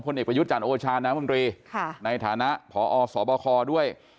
เอกประยุทธ์จันทร์โอชาน้ำมนตรีในฐานะพอสบคด้วย